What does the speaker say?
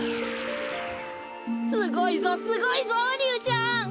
すごいぞすごいぞリュウちゃん！